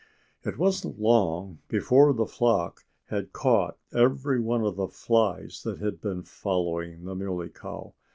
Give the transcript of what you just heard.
It wasn't long before the flock had caught every one of the flies that had been following the Muley Cow.